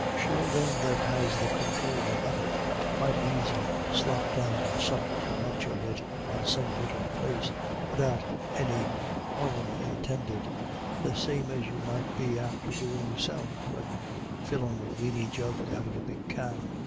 Sure them that has the conthroulin' of it might aisy slop down a sup too much of it on some little place widout any harrum' intending the same as you might be ' after doin* yourself when you're fillin' a weeny jug out of a big can.